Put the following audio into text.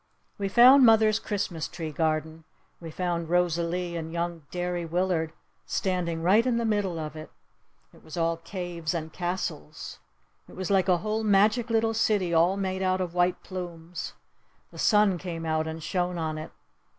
We found mother's Christmas tree garden. We found Rosalee and young Derry Willard standing right in the middle of it. It was all caves and castles! It was like a whole magic little city all made out of white plumes! The sun came out and shone on it!